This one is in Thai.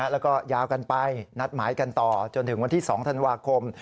แล้วก็ยาวกันไปนัดหมายกันต่อจนถึงวันที่๒ธันวาคม